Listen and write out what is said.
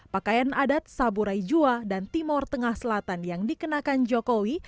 pakaian adat saburai jua dan timur tengah selatan yang dikenakan jokowi